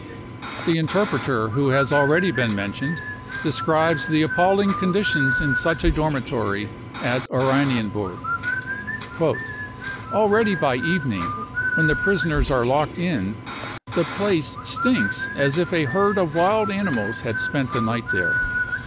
The interpreter who has already been mentioned de scribes the appalling conditions in such a dormitory at Oranienburg : cc Already by evening, when the prisoners are locked in, the place stinks as if a herd of wild animals had spent the night there.